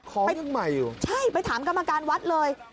ข้อเรื่องใหม่อยู่ใช่ไปถามกรรมการวัสดิ์เลย